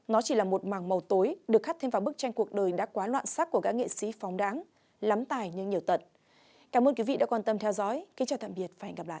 nó chỉ là một màng màu tối được khắp thêm vào bức tranh cuộc đời đã quá loạn xác của các nghệ sĩ phóng đáng lắm tài như nhiều tận